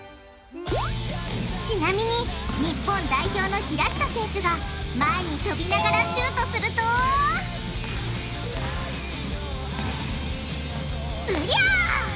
ちなみに日本代表の平下選手が前にとびながらシュートするとうりゃ！